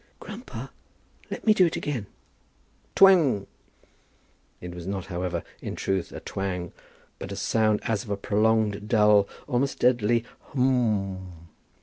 "Grandpa, let me do it again." Twang! It was not, however, in truth, a twang, but a sound as of a prolonged dull, almost deadly, hum m m m m!